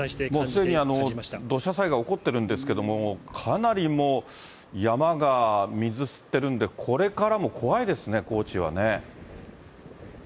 すでに土砂災害起こってるんですけれども、かなりもう、山が水吸ってるんで、これからも怖いですね、高知はね。